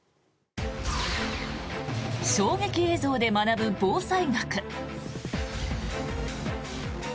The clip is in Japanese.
衝撃映像で学ぶ防災学。